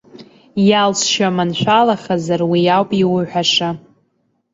Иалҵшьа маншәалахазар, уи ауп иуҳәаша.